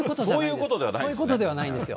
そういうことじゃないんです。